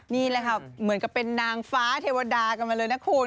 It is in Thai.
นี่แหละค่ะเหมือนกับเป็นนางฟ้าเทวดากันมาเลยนะคุณ